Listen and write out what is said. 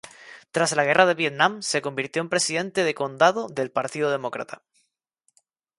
Tras la guerra de Vietnam, se convirtió en presidente de condado del Partido Demócrata.